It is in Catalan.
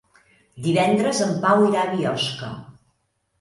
Divendres en Pau irà a Biosca.